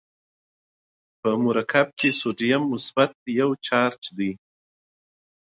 په مرکب کې سودیم مثبت یو چارج دی.